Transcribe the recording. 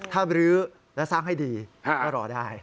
ถ้าบรื้อและสร้างให้ดีก็รอได้